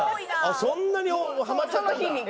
そんなにハマっちゃったんだ？